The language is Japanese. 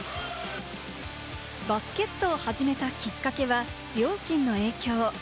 バスケットを始めたきっかけは両親の影響。